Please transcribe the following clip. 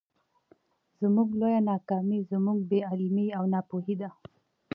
زموږ لويه ناکامي زموږ بې علمي او ناپوهي ده.